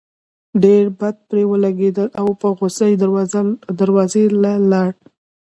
ډېر بد پرې ولګېدل او پۀ غصه دروازې له لاړه